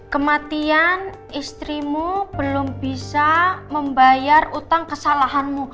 kematian istrimu belum bisa membayar utang kesalahanmu